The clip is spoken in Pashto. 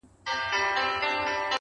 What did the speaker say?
ایله چي په امان دي له واسکټه سوه وګړي؛